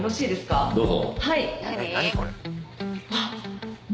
どうぞ。